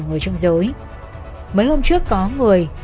người chung giới mấy hôm trước có người